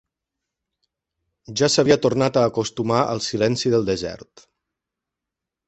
Ja s'havia tornat a acostumar al silenci del desert.